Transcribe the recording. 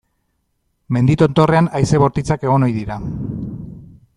Mendi tontorrean haize bortitzak egon ohi dira.